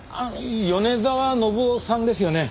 米澤信夫さんですよね？